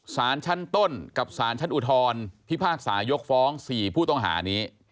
สารชั้นต้นกับสารชั้นอุทธรพิพากษายกฟ้อง๔ผู้ต้องหานี้